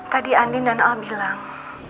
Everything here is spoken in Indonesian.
tadi andin dan al bilang